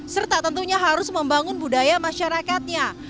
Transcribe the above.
serta tentunya harus membangun budaya masyarakatnya